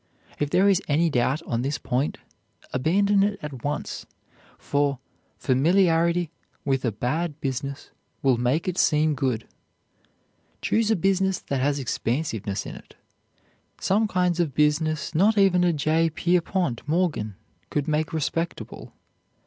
If there is any doubt on this point, abandon it at once, for familiarity with a bad business will make it seem good. Choose a business that has expansiveness in it. Some kinds of business not even a J. Pierpont Morgan could make respectable.